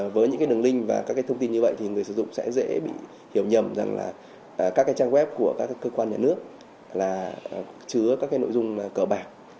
với những đường link và các thông tin như vậy thì người dùng sẽ dễ bị hiểu nhầm rằng các trang web của các cơ quan nhà nước chứa các nội dung cờ bạc